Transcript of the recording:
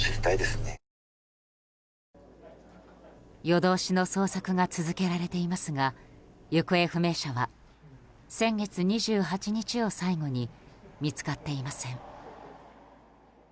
夜通しの捜索が続けられていますが行方不明者は先月２８日を最後に見つかっていません。